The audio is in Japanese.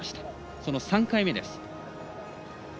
その３回目です。